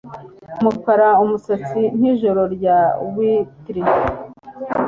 Umukara umusatsi nkijoro rya wintry